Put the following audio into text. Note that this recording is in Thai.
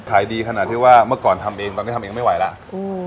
ขายดีขนาดที่ว่าเมื่อก่อนทำเองตอนนี้ทำเองไม่ไหวแล้วอืม